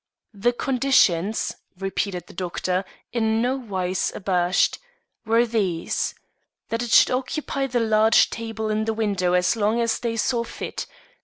"The conditions," repeated the doctor, in no wise abashed, "were these: That it should occupy the large table in the window as long as they saw fit.